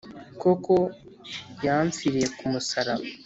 Koko yamfiriye ku musaraba